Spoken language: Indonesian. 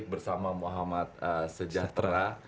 bersama muhammad sejahtera